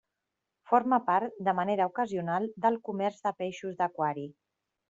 Forma part, de manera ocasional, del comerç de peixos d'aquari.